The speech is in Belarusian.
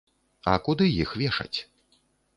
А куды іх вешаць?